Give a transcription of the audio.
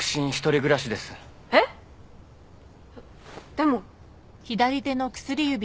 でも。